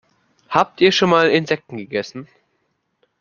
Habt ihr schon mal Insekten gegessen?